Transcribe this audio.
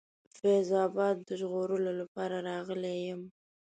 فیض آباد د ژغورلو لپاره راغلی یم.